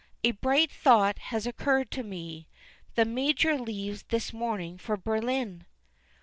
A bright thought has occurred to me the Major leaves this morning for Berlin.